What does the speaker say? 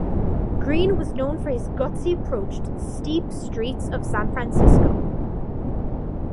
Greene is known for his gutsy approach to the steep streets of San Francisco.